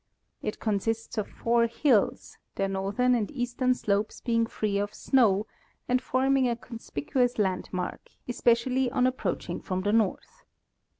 It consists of four hills, their northern and eastern slopes being free of snow and forming a conspicuous landmark, especially on approaching from the north.